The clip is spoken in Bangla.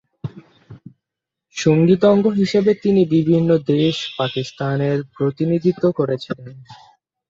সঙ্গীতজ্ঞ হিসেবে তিনি বিভিন্ন দেশে পাকিস্তানের প্রতিনিধিত্ব করেছিলেন।